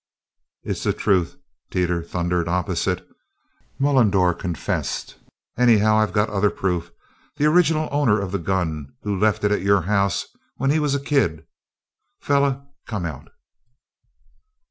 "It's the truth!" Teeters thundered, opposite. "Mullendore confessed. Anyhow, I've got other proof the original owner of the gun who left it at your house when he was a kid. Feller come out."